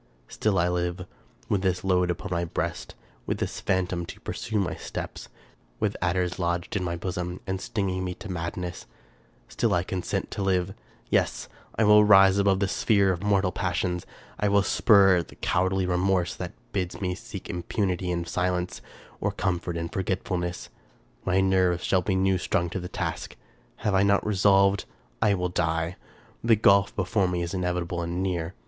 Still I live ; with this load upon my breast ; with this phantom to pursue my steps ; with adders lodged in my bosom, and stinging me to madness ; still I consent to live ! Yes ! I will rise above the sphere of mortal passions ; I will spurn at the cowardly remorse that bids me seek im punity in silence, or comfort in forgetfulness. My nerves shall be new strung to the task. Have I not resolved? I will die. The gulf before me is inevitable and near.